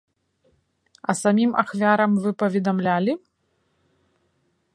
А самім ахвярам вы паведамлялі?